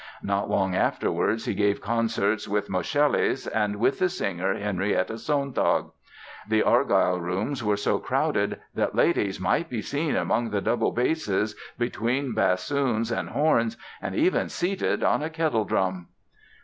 Not long afterwards he gave concerts with Moscheles and with the singer, Henrietta Sontag. The Argyll Rooms were so crowded that "ladies might be seen among the double basses, between bassoons and horns and even seated on a kettle drum".